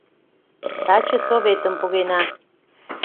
— Таче советым погена.